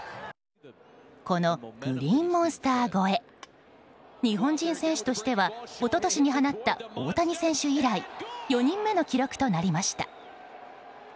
このグリーンモンスター越え日本人選手としては一昨年に放った大谷選手以来４人目の記録となりました。